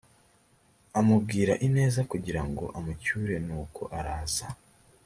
amubwira ineza kugira ngo amucyure nuko araza